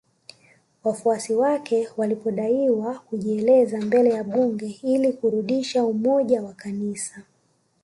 Wafuasi wake walipodaiwa kujieleza mbele ya Bunge ili kurudisha umoja wa kanisa